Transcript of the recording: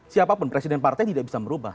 siapapun presiden partai tidak bisa merubah